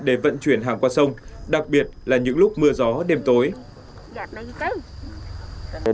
để vận chuyển hàng qua sông đặc biệt là những lúc mưa gió đêm tối